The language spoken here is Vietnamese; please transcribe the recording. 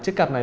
chiếc cặp này